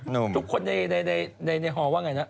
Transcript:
ทุกคนในฮอลว่าไงนะ